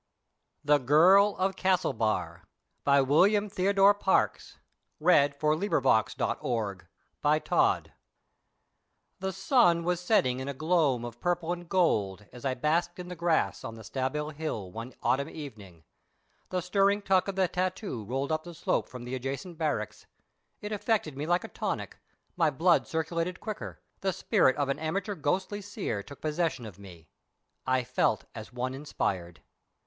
nd She gives the chill to thee! [Illustration: The Girl of Castlebar] THE sun was setting in a gloam of purple and gold, as I basked in the grass on the Staball hill one autumn evening, the stirring tuck of the tattoo rolled up the slope from the adjacent barracks; it affected me like a tonic, my blood circulated quicker, the spirit of an amateur ghostly seer took possession of me! I felt as one inspired.